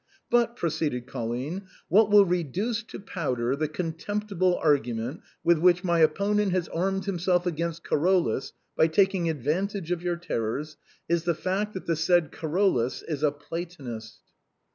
]" But," proceeded Colline, " what will reduce to powder the contemptible argument with which my opponent has armed himself against Carolus by taking advantage oï your terrors, is the fact that the said Carolus is a Platonist.